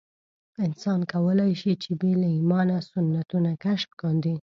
انسان کولای شي چې بې له ایمانه سنتونه کشف کاندي.